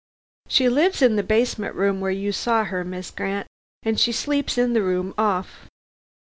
She lives in the basement room where you saw her, Miss Grant, and she sleeps in the room orf.